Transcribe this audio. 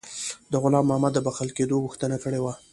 د غلام محمد د بخښل کېدلو غوښتنه کړې وه.